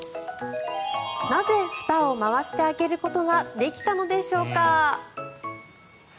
なぜ、ふたを回して開けることができたのでしょうか。